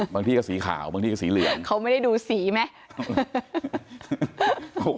ที่ก็สีขาวบางที่ก็สีเหลืองเขาไม่ได้ดูสีไหม